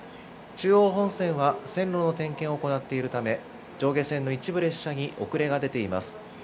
中央本線は線路の点検を行っているため、上下線の一部列車に遅れが出ています。